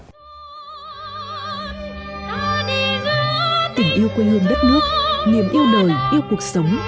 tình yêu quê hương đất nước niềm yêu đời yêu cuộc sống